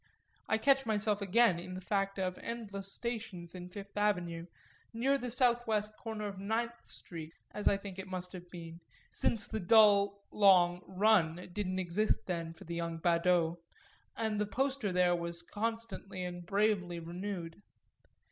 I catch myself again in the fact of endless stations in Fifth Avenue near the southwest corner of Ninth Street, as I think it must have been, since the dull long "run" didn't exist then for the young badaud and the poster there was constantly and bravely renewed.